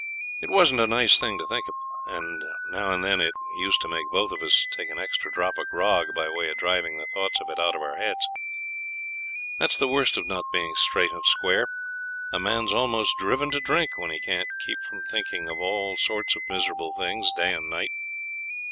It wasn't a nice thing to think of; and now and then it used to make both of us take an extra drop of grog by way of driving the thoughts of it out of our heads. That's the worst of not being straight and square. A man's almost driven to drink when he can't keep from thinking of all sorts of miserable things day and night.